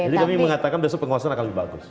jadi kami mengatakan besok pengawasan akan lebih bagus